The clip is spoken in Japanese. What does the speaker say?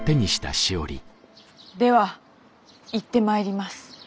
では行って参ります。